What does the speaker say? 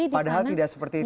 padahal tidak seperti itu